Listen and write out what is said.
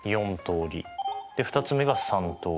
２つ目が３通り。